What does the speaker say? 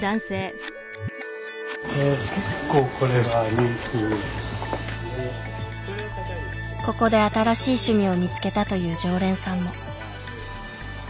ここで新しい趣味を見つけたという常連さんも。